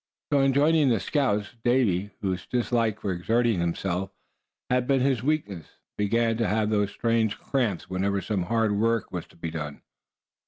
So on joining the scouts, Davy, whose dislike for exerting himself had been his weakness, began to have those strange "cramps" whenever some hard work was to be done.